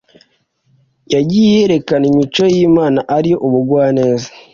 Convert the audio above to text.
Yagiye yarekana imico y’Imana ari yo: ubugwaneza,